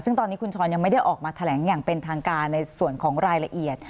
ซึ่งตอนนี้คุณช้อนยังไม่ได้ออกมาแถลงอย่างเป็นทางการในส่วนของรายละเอียด